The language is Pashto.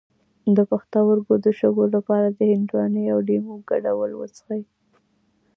د پښتورګو د شګو لپاره د هندواڼې او لیمو ګډول وڅښئ